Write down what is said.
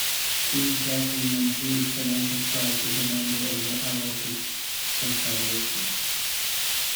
Queen Catharine Montour's Seneca Tribe was a member of the Iroquois Confederacy.